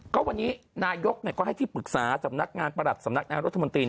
ก็วันนี้นายกก็ให้ที่ปรึกษาสำนักงานประหลัดสำนักงานรัฐมนตรี